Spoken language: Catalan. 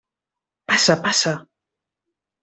Passa, passa.